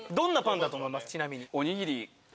ちなみに。